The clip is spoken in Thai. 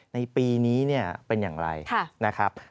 ในปีนี้เนี่ยเป็นอย่างไรนะครับ